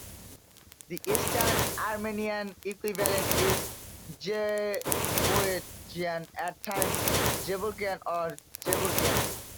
The Eastern Armenian equivalent is Gevorgyan, at times Gevorkyan or Gevorkian.